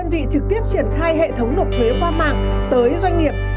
đơn vị trực tiếp triển khai hệ thống nộp thuế qua mạng tới doanh nghiệp